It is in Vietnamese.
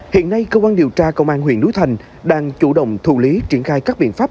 hiện nay cơ quan điều tra công an huyện núi thành đang chủ động thù lý triển khai các biện pháp